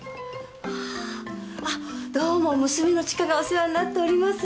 あああっどうも娘の知花がお世話になっております。